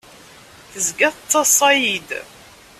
Tezga tettaḍṣa-iyi-d.